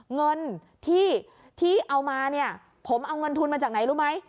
เงินที่เอามาเนี่ยผมเอาเงินทุนมาจากไหนรู้ไหม